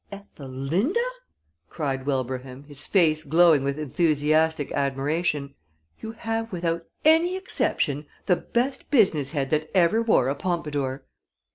"Ethelinda," cried Wilbraham, his face glowing with enthusiastic admiration, "you have, without any exception, the best business head that ever wore a pompadour!"